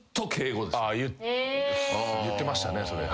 言ってましたねそれ。